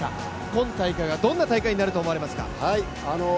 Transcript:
今大会はどんな大会になると思われますか？